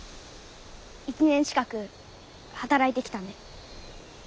１年近く働いてきたんで。